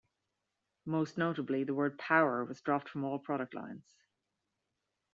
Most notably, the word "Power" was dropped from all product lines.